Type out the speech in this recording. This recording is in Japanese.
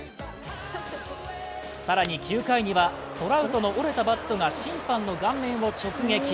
更に９回には、トラウトの折れたバットが審判の顔面を直撃。